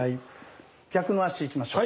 逆の足いきましょう。